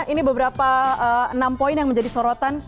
ini beberapa enam poin yang menjadi sorotan